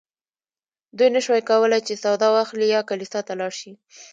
دوی نه شوای کولی چې سودا واخلي یا کلیسا ته لاړ شي.